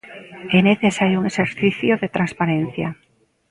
É necesario un exercicio de transparencia.